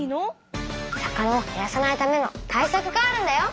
魚を減らさないための対さくがあるんだよ。